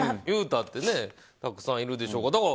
いうたってたくさんいるでしょうから。